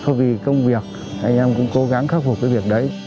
không vì công việc anh em cũng cố gắng khắc phục cái việc đấy